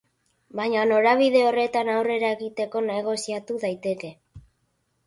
Baina norabide horretan aurrera egiteko negoziatu daiteke.